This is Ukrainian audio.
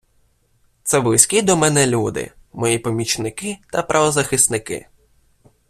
Це близькі до мене люди, мої помічники та правозахисники.